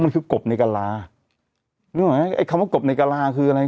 มันคือกบในกะลานึกออกไหมไอ้คำว่ากบในกะลาคืออะไร